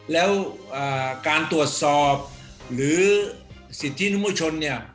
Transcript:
แล้วการตรวจสอบหรือสิทธินุมชนเนี่ย